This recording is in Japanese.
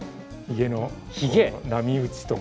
ひげの波打ちとか。